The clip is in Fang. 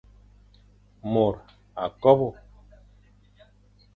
Môr a kobe.